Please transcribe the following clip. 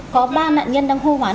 có ba nạn nhân đang hô hoán